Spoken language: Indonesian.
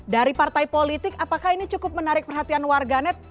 dari partai politik apakah ini cukup menarik perhatian warganet